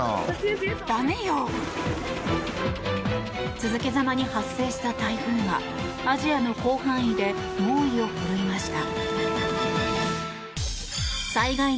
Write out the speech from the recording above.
続けざまに発生した台風がアジアの広範囲で猛威を振るいました。